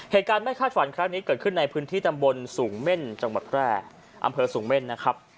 เหตุการณ์ไม่คาดฝันครั้งนี้เกิดขึ้นในพื้นที่ตำบลสูงเม่นจังหวัดแพร่อำเภอสูงเม่นนะครับ